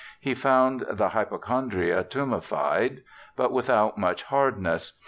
He found the hypo chondria tumefied, but without much hardness.